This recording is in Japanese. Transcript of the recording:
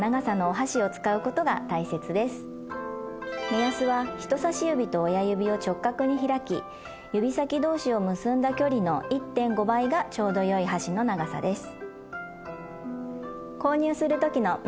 目安は人さし指と親指を直角に開き指先同士を結んだ距離の１．５倍がちょうどよい箸の長さです。